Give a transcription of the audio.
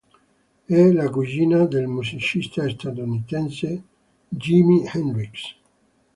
È la cugina del musicista statunitense Jimi Hendrix.